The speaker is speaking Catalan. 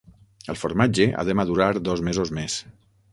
El formatge ha de madurar dos mesos més.